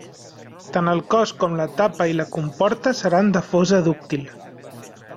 Tant el cos com la tapa i la comporta seran de fosa dúctil.